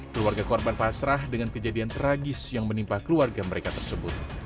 keluarga korban pasrah dengan kejadian tragis yang menimpa keluarga mereka tersebut